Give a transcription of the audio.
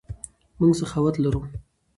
موږ سخاوت لرو.